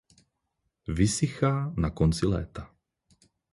Vysychá na konci léta.